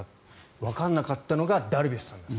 わからなかったのがダルビッシュさんです。